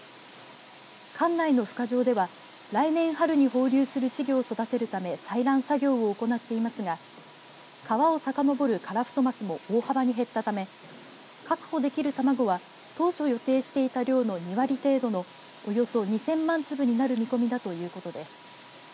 管内のふ化場では来年春に放流する稚魚を育てるため採卵作業を行っていますが川をさかのぼるカラフトマスも大幅に減ったため確保できる卵は当初予定していた量の２割程度のおよそ２０００万粒になる見込みだということです。